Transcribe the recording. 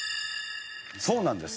そうなんです。